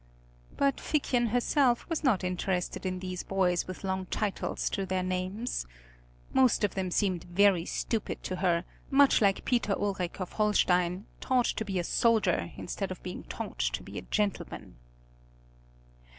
But Figchen herself was not interested in these boys with long titles to their names. Most of them seemed very stupid to her, much like Peter Ulric of Holstein, taught to be a soldier instead of being taught to be a gentleman.